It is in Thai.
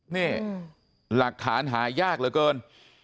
นี่หลักฐานหายากเหลือเกิน